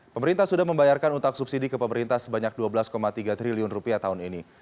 pemerintah sudah membayarkan utang subsidi ke pemerintah sebanyak dua belas tiga triliun rupiah tahun ini